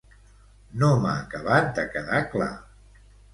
No m'ha acabat de quedar clar.